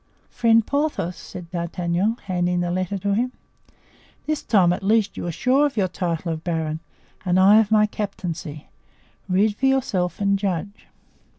"Friend Porthos," said D'Artagnan, handing the letter to him, "this time, at least, you are sure of your title of baron, and I of my captaincy. Read for yourself and judge."